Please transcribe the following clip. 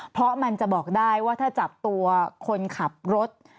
เพราะมันจะบอกได้ว่าถ้าจับตัวคนขับรถ